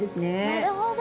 なるほど。